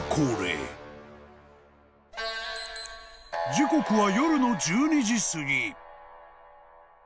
［時刻は］